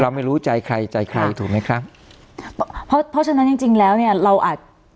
ไม่รู้ใจใครใจใครถูกไหมครับเพราะเพราะฉะนั้นจริงจริงแล้วเนี้ยเราอาจ